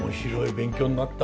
勉強になった。